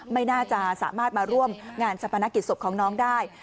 ไม่น่าจะสามารถมาร่วมงานชะพนักกิจศพของน้องได้